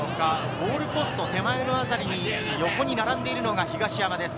ゴールポスト手前の辺りに横に並んでいるのが東山です。